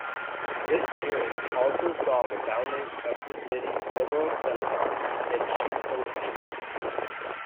This period also saw the founding of the city's Liberal synagogue in Sheepcote Street.